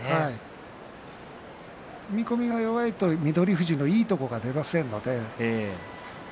踏み込みが弱いと翠富士のいいところが出ません。